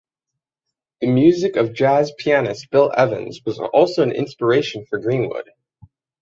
The music of jazz pianist Bill Evans was also an inspiration for Greenwood.